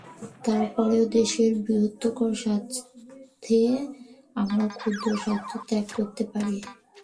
তার পরও দেশের বৃহত্তর স্বার্থে আমরা ক্ষুদ্র স্বার্থ ত্যাগ করতে পারি।